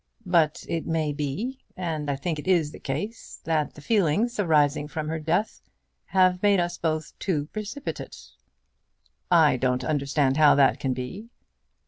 But it may be, and I think it is the case, that the feelings arising from her death have made us both too precipitate." "I don't understand how that can be."